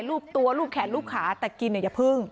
รูปตัวรูปแขนรูปขาแต่กินอย่าพึ่ง